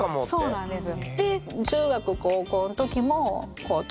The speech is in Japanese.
そうなんです。